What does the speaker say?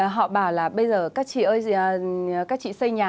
họ bảo là bây giờ các chị ơi các chị xây nhà